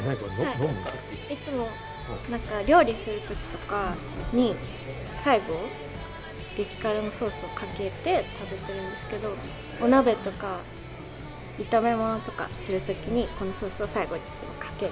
いつも料理するときとかに最後、激辛のソースをかけて食べてるんですけど、お鍋とか、炒め物とかするときにこのソースを最後にかける。